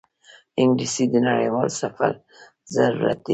انګلیسي د نړیوال سفر ضرورت دی